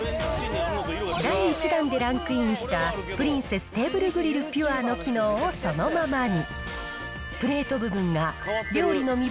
第１弾でランクインした、プリンセス・テーブルグリルピュアの機能をそのままに。